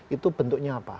itu bentuknya apa